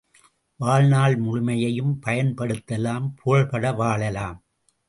வாழ்நாள் முழுமையும், பயன்படுத்தலாம் புகழ்பட வாழலாம்.